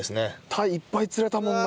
タイいっぱい釣れたもんな。